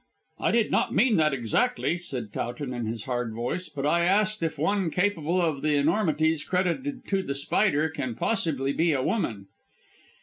"I did not mean that exactly," said Towton in his hard voice; "but I asked if one capable of the enormities credited to The Spider can possibly be a woman."